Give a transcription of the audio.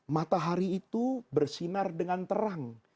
matahari itu bersinar dengan terang